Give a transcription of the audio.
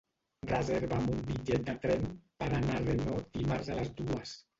Reserva'm un bitllet de tren per anar a Renau dimarts a les dues.